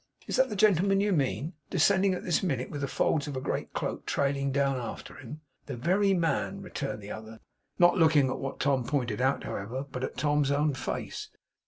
Is that the gentleman you mean? Descending at this minute, with the folds of a great cloak trailing down after him?' 'The very man!' returned the other, not looking at what Tom pointed out, however, but at Tom's own face.